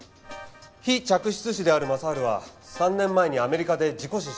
非嫡出子である正春は３年前にアメリカで事故死しております。